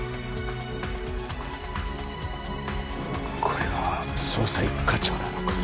これが捜査一課長なのか。